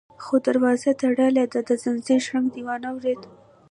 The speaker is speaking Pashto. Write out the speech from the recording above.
_خو دروازه تړلې ده، د ځنځير شرنګ دې وانه ورېد؟